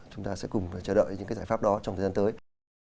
chúng ta sẽ cùng chờ đợi những cái giải pháp đó trong thời gian tới